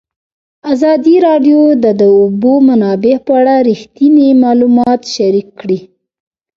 ازادي راډیو د د اوبو منابع په اړه رښتیني معلومات شریک کړي.